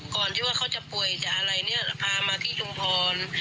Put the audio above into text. ก่อนที่ว่าเขาจะป่วยจะอะไรเนี่ยพามาที่ชุมพร